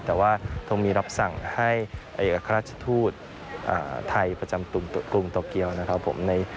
แต่ว่าตรงมีรับสั่งให้เอกราชทูตไทยประจำกรุงโตเกียวนะครับผม